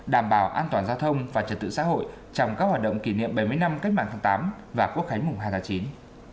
đảm bảo an toàn giao thông và trật tự xã hội trong các hoạt động kỷ niệm bảy mươi năm cách mạng tháng tám và quốc khánh mùng hai tháng chín